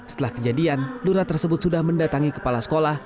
setelah kejadian lura tersebut sudah mendatangi kepala sekolah